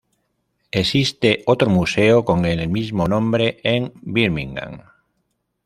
Existe otro museo con el mismo nombre en Birmingham.